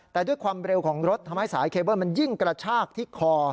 แต่ด้วยความเร็วของรถทำให้สายเคเบิ้ลมันยิ่งกระชากที่คอ